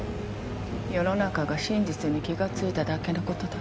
世の中が真実に気がついただけのことだ